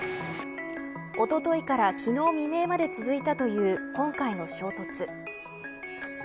おとといから昨日未明まで続いたという今回の衝突。